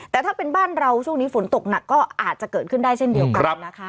แต่ถ้าเป็นบ้านเราช่วงนี้ฝนตกหนักก็อาจจะเกิดขึ้นได้เช่นเดียวกันนะคะ